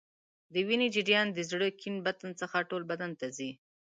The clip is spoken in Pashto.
د وینې جریان د زړه کیڼ بطن څخه ټول بدن ته ځي.